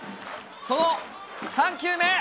その３球目。